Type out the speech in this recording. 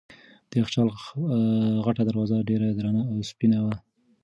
د یخچال غټه دروازه ډېره درنه او سپینه وه.